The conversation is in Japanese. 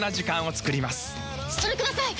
それください！